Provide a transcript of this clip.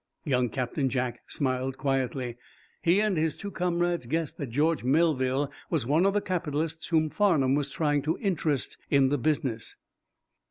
Young Captain Jack smiled quietly. He and his two comrades guessed that George Melville was one of the capitalists whom Farnum was trying to interest in the business.